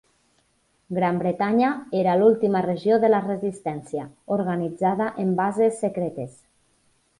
Gran Bretanya era l'última regió de la resistència, organitzada en bases secretes.